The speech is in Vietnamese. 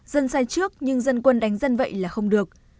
dân sai trước nhưng dân quân đánh dân vậy là không được